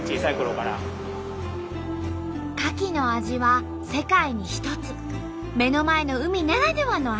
かきの味は世界に一つ目の前の海ならではの味。